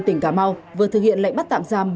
tỉnh cà mau vừa thực hiện lệnh bắt tạm giam